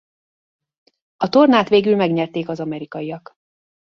A tornát végül megnyerték az amerikaiak.